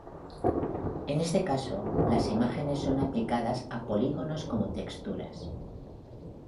En este caso, las imágenes son aplicadas a polígonos como texturas.